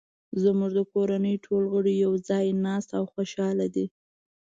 زموږ د کورنۍ ټول غړي یو ځای ناست او خوشحاله دي